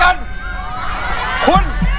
หนู